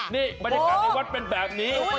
นี่บรรยากาศในวัดเป็นแบบนี้